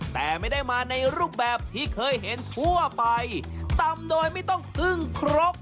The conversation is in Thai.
แต่ไม่ได้มาในรูปแบบที่เคยเห็นทั่วไปตำโดยไม่ต้องพึ่งครก